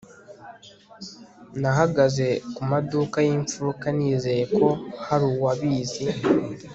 nahagaze kumaduka yimfuruka nizeye ko hari uwabizi